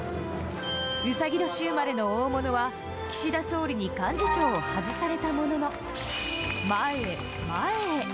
うさぎ年生まれの大物は、岸田総理に幹事長を外されたものの、前へ、前へ。